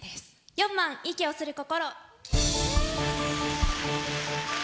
４番「息をする心」。